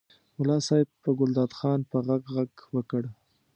ملا صاحب په ګلداد خان په غږ غږ وکړ.